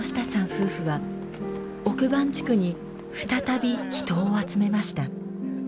夫婦は奥番地区に再び人を集めました。